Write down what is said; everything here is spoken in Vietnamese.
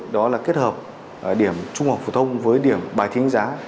đó là kết hợp điểm trung học phổ thông với điểm bài thi đánh giá